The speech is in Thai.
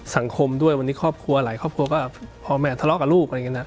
สังคมด้วยวันนี้หลายครอบครัวพอแม่ทะเลาะกับลูก